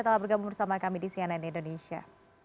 telah bergabung bersama kami di cnn indonesia